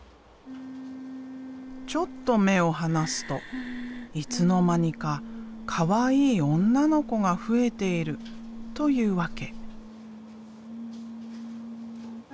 ちょっと目を離すといつの間にかかわいい女の子が増えているというわけ。